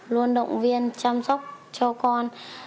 luôn động viên chăm sóc cho con